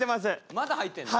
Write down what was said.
まだ入ってんの？